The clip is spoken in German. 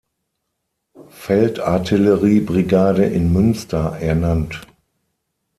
Feldartillerie-Brigade in Münster ernannt.